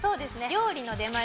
料理の出前